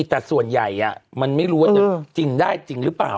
แต่ส่วนใหญ่มันไม่รู้ว่าจะจริงได้จริงหรือเปล่า